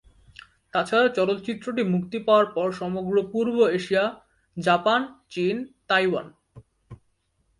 তাছাড়া চলচ্চিত্রটি মুক্তি পাওয়ার পর সমগ্র পূর্ব এশিয়া- জাপান, চীন, তাইওয়ান।